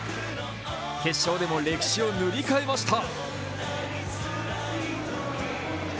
決勝でも歴史を塗り替えました。